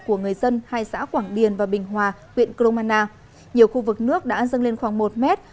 của người dân hai xã quảng điền và bình hòa huyện cromana nhiều khu vực nước đã dâng lên khoảng một mét